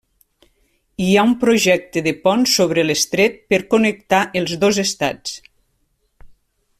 Hi ha un projecte de pont sobre l'estret per connectar els dos estats.